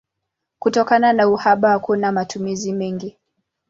Kutokana na uhaba hakuna matumizi mengi.